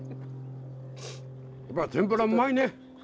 やっぱ天ぷらうまいね！